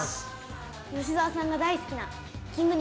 吉沢さんが大好きな。